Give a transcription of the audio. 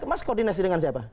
mas koordinasi dengan siapa